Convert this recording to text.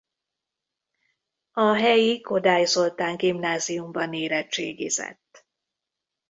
A helyi Kodály Zoltán Gimnáziumban érettségizett.